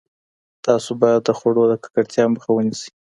تاسو باید د خوړو د ککړتیا مخه ونیسئ.